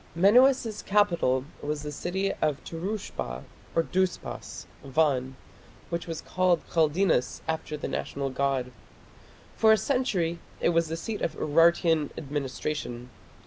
Menuas's capital was the city of Turushpa or Dhuspas (Van), which was called Khaldinas after the national god. For a century it was the seat of Urartian administration.